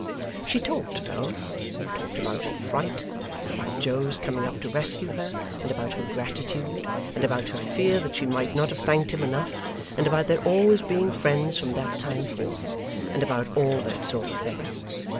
She talked though; talked about her fright, and about Joe's coming up to rescue her, and about her gratitude, and about her fear that she might not have thanked him enough, and about their always being friends from that time forth and about all that sort of thing.